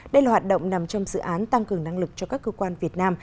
đây là hoạt động nằm trong dự án tăng cường năng lực cho các cơ quan việt nam